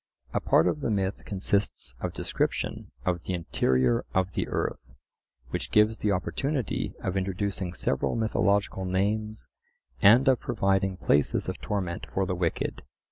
A part of the myth consists of description of the interior of the earth, which gives the opportunity of introducing several mythological names and of providing places of torment for the wicked.